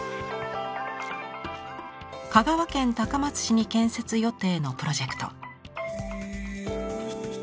香川県高松市に建設予定のプロジェクト。